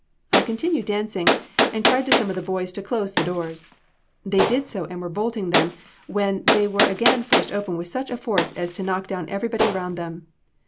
I continued dancing, and cried to some of the boys to close the doors. They did so, and were bolting them, when they were again forced open with such force as to knock down everybody around them.